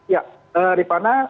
ya di mana